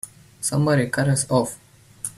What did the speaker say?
Somebody cut us off!